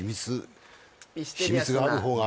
「秘密がある方が」